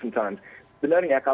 dan aku tidak merasa bebas